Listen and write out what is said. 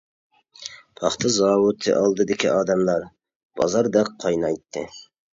پاختا زاۋۇتى ئالدىدىكى ئادەملەر بازاردەك قاينايتتى.